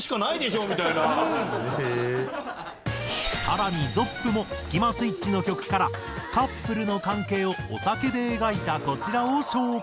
更にｚｏｐｐもスキマスイッチの曲からカップルの関係をお酒で描いたこちらを紹介。